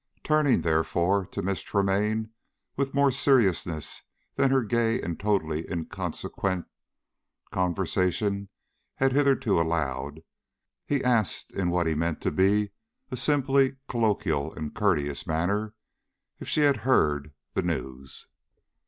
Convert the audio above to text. Turning, therefore, to Miss Tremaine, with more seriousness than her gay and totally inconsequent conversation had hitherto allowed, he asked, in what he meant to be a simply colloquial and courteous manner, if she had heard the news.